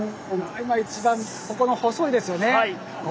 今一番ここが細いですよね。